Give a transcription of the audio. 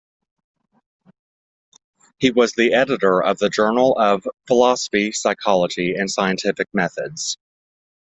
He was editor of the The Journal of Philosophy, Psychology and Scientific Methods.